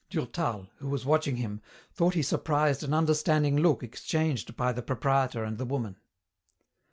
Durtal, who was watching him, thought he surprised an understanding look exchanged by the proprietor and the woman.